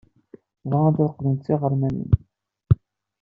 Bɣant ad qqlent d tiɣermanin.